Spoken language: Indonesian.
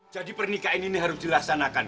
jadi pernikahan ini harus dilaksanakan